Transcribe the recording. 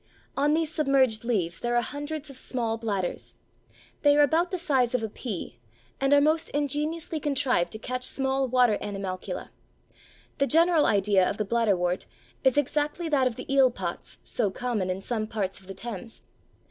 On these submerged leaves there are hundreds of small bladders. They are about the size of a pea, and are most ingeniously contrived to catch small water animalcula. The general idea of the bladderwort is exactly that of the eel pots so common in some parts of the Thames.